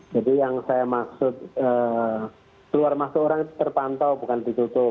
jadi yang saya maksud keluar masuk orang terpantau bukan ditutup